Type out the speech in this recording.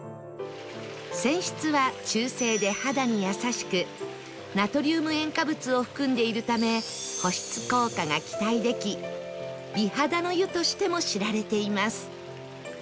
泉質は中性で肌に優しくナトリウム塩化物を含んでいるため保湿効果が期待でき美肌の湯としても知られています